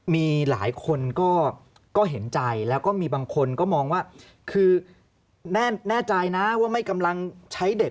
มีหลายคนก็เห็นใจแล้วก็มีบางคนก็มองว่าคือแน่ใจนะว่าไม่กำลังใช้เด็ก